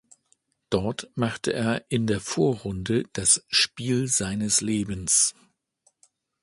Dort machte er in der Vorrunde das „Spiel seines Lebens“.